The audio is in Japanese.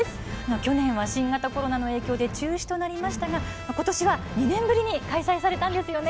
去年、新型コロナの影響で中止となりましたがことしは２年ぶりに開催されたんですよね。